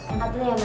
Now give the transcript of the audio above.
angkat dulu ya ma